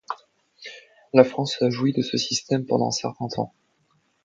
La France a joui de ce système pendant un certain temps.